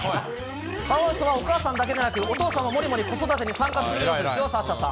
カワウソはお母さんだけでなくお父さんももりもり子育てに参加するんですよ、サッシャさん。